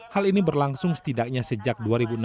hal ini berlangsung setidaknya sejak dua ribu enam belas